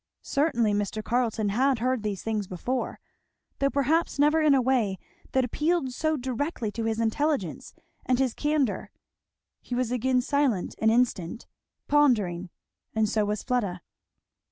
Certainly Mr. Carleton had heard these things before, though perhaps never in a way that appealed so directly to his intelligence and his candour. He was again silent an instant, pondering, and so was Fleda.